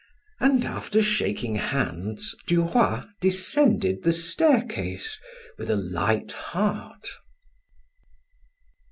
And after shaking hands, Duroy descended the staircase with a light heart.